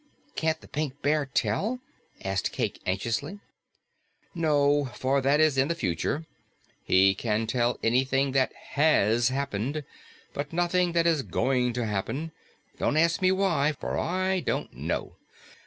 "Can't the Pink Bear tell?" asked Cayke anxiously. "No, for that is in the future. He can tell anything that HAS happened, but nothing that is going to happen. Don't ask me why, for I don't know."